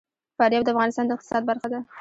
فاریاب د افغانستان د اقتصاد برخه ده.